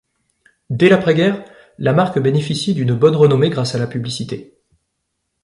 Dès l'après-guerre, la marque bénéficie d'une bonne renommée grâce à la publicité.